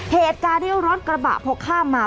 เหตุการณ์ที่รถกระบะพอข้ามมา